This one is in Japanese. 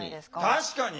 確かに！